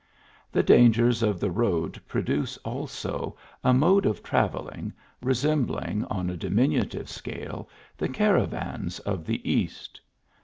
* The dangers of the road produce, also, a mode of travelling, resembling, on a diminutive scale, the caravans of the East.